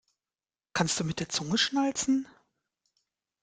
Kannst du mit der Zunge schnalzen?